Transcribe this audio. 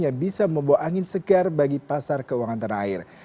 yang bisa membawa angin segar bagi pasar keuangan tanah air